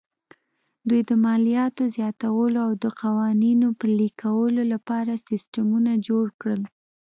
دوی د مالیاتو زیاتولو او د قوانینو پلي کولو لپاره سیستمونه جوړ کړل